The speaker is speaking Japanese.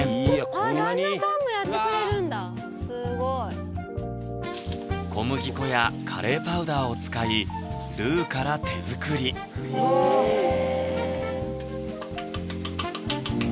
こんなに旦那さんもやってくれるんだすごい小麦粉やカレーパウダーを使いルーから手作りいや